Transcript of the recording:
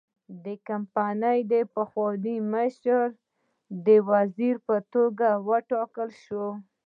د کمپنۍ پخوانی مشر د وزیر په توګه وټاکل شو.